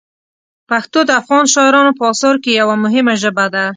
پښتو د افغان شاعرانو په اثارو کې یوه مهمه ژبه ده.